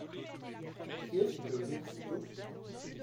Qui est-ce qui peut venir si tôt ?…